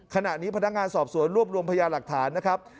ขณะนี้พนักงานสอบสวนรวบรวมพยาหลักฐานนะครับ